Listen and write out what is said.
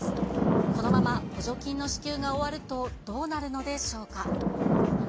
このまま補助金の支給が終わると、どうなるのでしょうか。